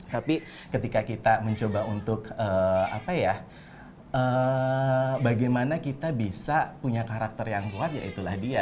tapi ketika kita mencoba untuk apa ya bagaimana kita bisa punya karakter yang kuat ya itulah dia